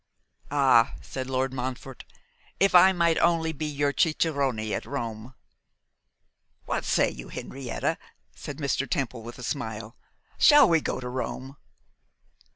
'Ah!' said Lord Montfort, 'if I might only be your cicerone at Rome!' 'What say you, Henrietta?' said Mr. Temple, with a smile. 'Shall we go to Rome?